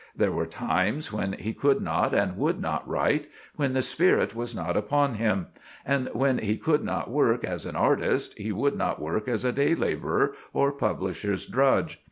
There were times when he could not and would not write—when the spirit was not upon him; and when he could not work as an artist, he would not work as a day laborer or publisher's drudge.